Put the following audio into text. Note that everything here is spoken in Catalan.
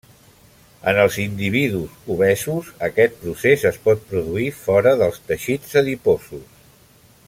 En els individus obesos, aquest procés es pot produir fora dels teixits adiposos.